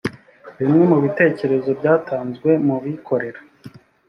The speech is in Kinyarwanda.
bimwe mu bitekerezo byatanzwe mu bikorera